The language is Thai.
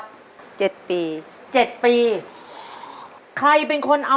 ขอบคุณค่ะ